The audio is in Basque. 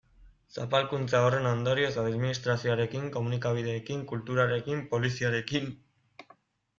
Zapalkuntza horren ondorioz, administrazioarekin, komunikabideekin, kulturarekin, poliziarekin...